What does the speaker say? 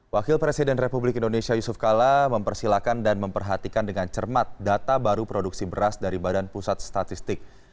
wakil presiden republik indonesia yusuf kala mempersilahkan dan memperhatikan dengan cermat data baru produksi beras dari badan pusat statistik